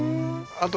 あと